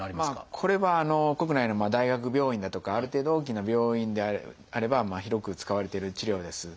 これは国内の大学病院だとかある程度大きな病院であれば広く使われてる治療です。